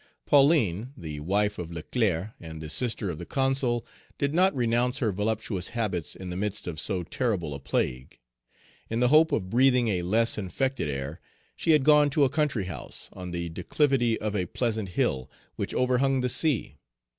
Pauline, the wife of Leclerc and the sister of the Consul, did not renounce her voluptuous habits in the midst of so terrible a plague. In the hope of breathing a less infected air, she had gone to a country house, on the declivity of a pleasant hill which overhung the sea.